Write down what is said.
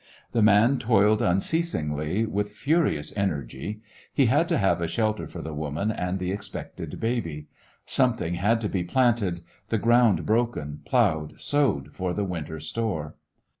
The man toiled miceasingly, with furious energy. He had to have a shelter for the woman and the ex pected baby. Something had to be planted — ^the ground broken, plowed, sowed for the winter store.